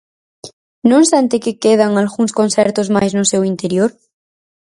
Non sente que quedan algúns concertos máis no seu interior?